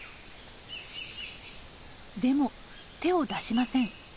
でも手を出しません。